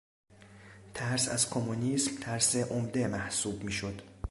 ترس از کمونیسم ترس عمده محسوب میشد.